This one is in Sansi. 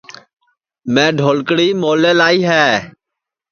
میں ڈھلکڑی مولے لائی ہے